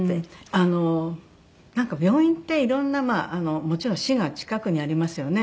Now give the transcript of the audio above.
あのなんか病院っていろんなもちろん死が近くにありますよね。